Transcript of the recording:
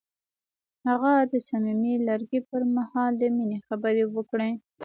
هغه د صمیمي لرګی پر مهال د مینې خبرې وکړې.